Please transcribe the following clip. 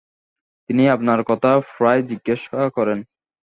তিনি আপনার কথা প্রায়ই জিজ্ঞাসা করেন।